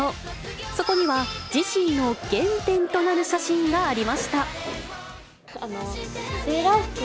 そこには、自身の原点となる写真セーラー服を。